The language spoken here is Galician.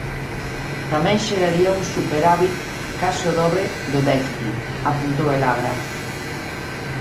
Tamén xeraría un superávit case o dobre do déficit, apuntou Elagra.